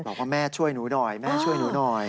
บอกว่าแม่ช่วยหนูหน่อย